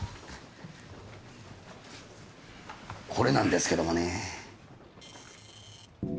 これなんですけどもね。